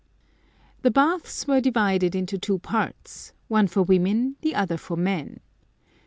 The baths were divided into two parts, one for , the other for men.